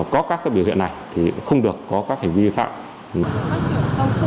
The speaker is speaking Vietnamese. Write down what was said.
có các biểu hiện này thì không được có các hành vi vi phạm